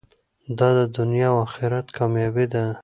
دا د دنیا او اخرت کامیابي ده.